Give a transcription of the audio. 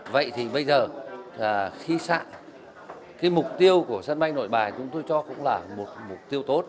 vậy thì bây giờ khi sạng cái mục tiêu của sân bay nội bài chúng tôi cho cũng là mục tiêu tốt